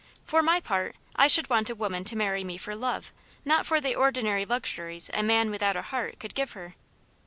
For my part, I should want a woman to marry me for love, not for the ordinary luxuries a man without a heart could give her."